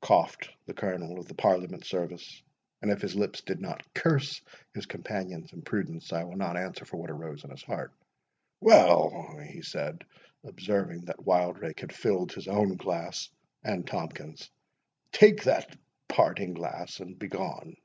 coughed the Colonel of the Parliament service; and if his lips did not curse his companion's imprudence, I will not answer for what arose in his heart,—"Well!" he said, observing that Wildrake had filled his own glass and Tomkins's, "take that parting glass and begone."